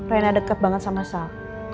rena deket banget sama sal